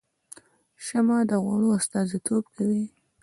شمعه د غوړ استازیتوب کوي